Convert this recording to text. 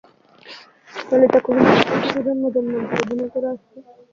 ললিতা কহিল, আমরাই বুঝি জন্মজন্মান্তর অভিনয় করে আসছি?